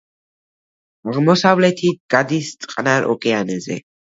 აღმოსავლეთით გადის წყნარ ოკეანეზე.